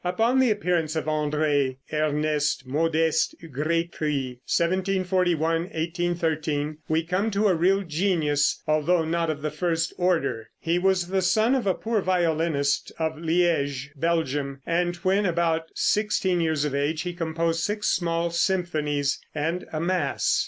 ] Upon the appearance of André Ernest Modest Grétry, (1741 1813), we come to a real genius, although not of the first order. He was the son of a poor violinist of Liege, Belgium, and when about sixteen years of age he composed six small symphonies and a mass.